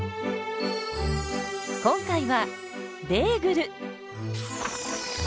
今回はベーグル！